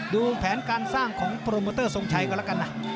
ดูแผนการสร้างของโปรโมเตอร์ทรงชัยก็แล้วกันนะ